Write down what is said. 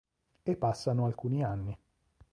E passano alcuni anni.